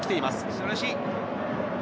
素晴らしい！